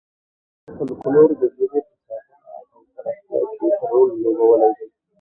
فولکلور د ژبې په ساتنه او پراختیا کې رول لوبولی دی.